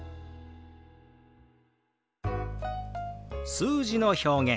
数字の表現